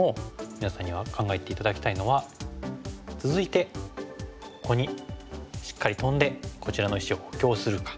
皆さんには考えて頂きたいのは続いてここにしっかりトンでこちらの石を補強するか。